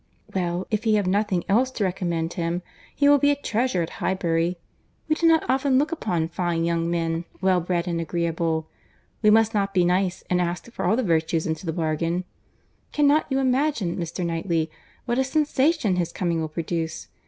"Well, if he have nothing else to recommend him, he will be a treasure at Highbury. We do not often look upon fine young men, well bred and agreeable. We must not be nice and ask for all the virtues into the bargain. Cannot you imagine, Mr. Knightley, what a sensation his coming will produce?